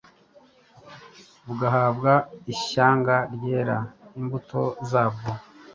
bugahabwa ishyanga ryera imbuto zabwo.”